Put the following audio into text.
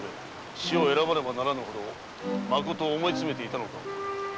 死を選ばねばならぬほどまこと思い詰めていたのかを。